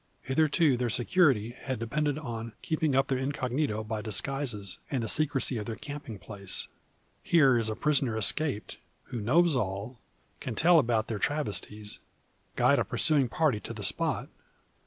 Hitherto their security has depended on keeping up their incognito by disguises, and the secrecy of their camping place. Here is a prisoner escaped, who knows all; can tell about their travesties; guide a pursuing party to the spot!